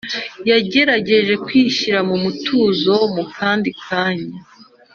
yagerageje kwishyira mumutuzo mukandi kanya